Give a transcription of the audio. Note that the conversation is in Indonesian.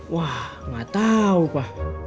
wah nggak tau pa